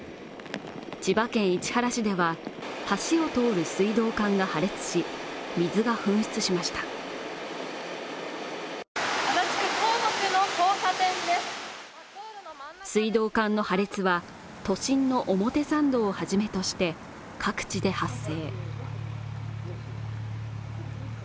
千葉県市原市では橋を通る水道管が破裂し水が噴出しました水道管の破裂は都心の表参道をはじめとして各地で発生